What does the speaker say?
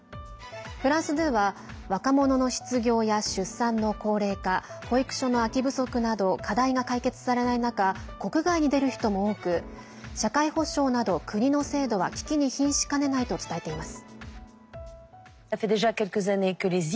フランス２は若者の失業や出産の高齢化保育所の空き不足など課題が解決されない中国外に出る人も多く社会保障など国の制度は危機にひんしかねないと伝えています。